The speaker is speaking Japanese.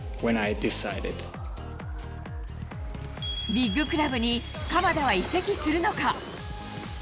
ビッグクラブに鎌田は移籍するのか。